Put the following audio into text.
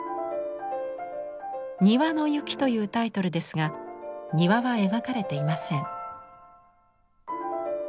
「庭の雪」というタイトルですが庭は描かれていません。